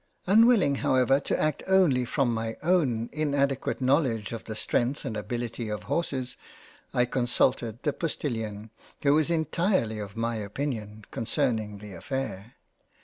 Unwilling however to act only from my own inadequate Knowledge of the Strength and Abilities of Horses, I con sulted the Postilion, who was entirely of my Opinion con cerning the Affair.